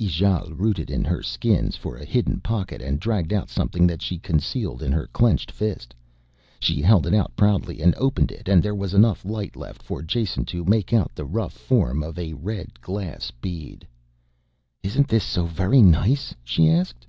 Ijale rooted in her skins for a hidden pocket and dragged out something that she concealed in her clenched fist. She held it out proudly and opened it and there was enough light left for Jason to make out the rough form of a red glass bead. "Isn't this so very nice?" she asked.